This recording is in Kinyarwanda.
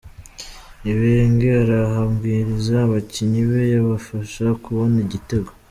Ibenge araha amabwiriza abakinnyi be yabafasha kubona igitego.